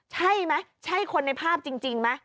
ใช่ไหมใช่คนในภาพจริงไหม